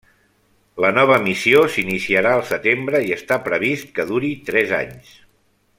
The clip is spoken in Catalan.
La nova missió s'iniciarà al setembre i està previst que duri tres anys.